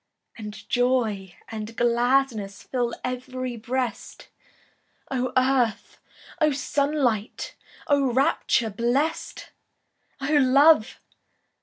And joy and gladness Fill ev'ry breast! Oh earth! oh sunlight! Oh rapture blest! Oh love!